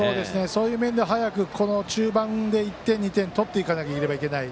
そういう面で早く中盤で１点、２点取っていかなければいけない。